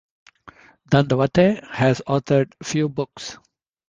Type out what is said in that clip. Dandavate has authored few books.